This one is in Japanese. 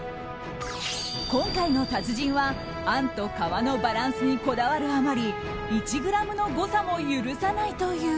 今回の達人はあんと皮のバランスにこだわるあまり１ｇの誤差も許さないという。